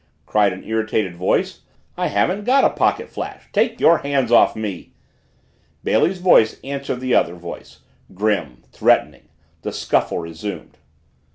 cried an irritated voice. "I haven't got a pocket flash take your hands off me!" Bailey's voice answered the other voice, grim, threatening. The scuffle resumed.